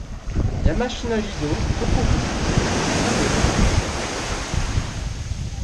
Yamashina-jizo du Tokurin-an est un des Roku-jizo.